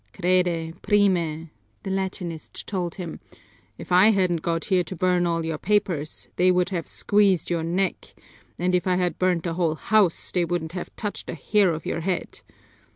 "Crede, prime," the Latinist told him, "if I hadn't got here to burn all your papers, they would have squeezed your neck; and if I had burned the whole house they wouldn't have touched a hair of your head.